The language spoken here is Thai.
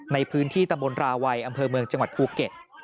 ในพื้นที่ตำบลราวัยอำเภอเมืองจังหวัดภูเก็ต